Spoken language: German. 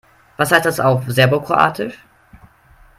Was heißt das auf Serbokroatisch?